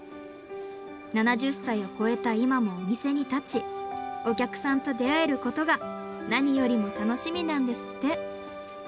７０歳をこえた今もお店に立ちお客さんと出会えることが何よりも楽しみなんですって。